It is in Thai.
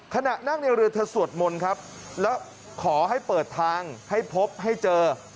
ขณะนั่งในเรือเธอสวดมนต์ครับแล้วขอให้เปิดทางให้พบให้เจอ